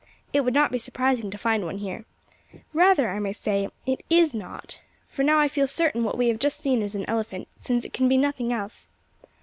It would not be surprising to find one here. Rather, I may say, it is not: for now I feel certain what we have just seen is an elephant, since it can be nothing else.